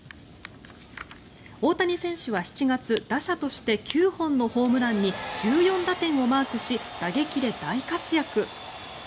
大谷選手は７月打者として９本のホームランに１４打点をマークし打撃で大活躍。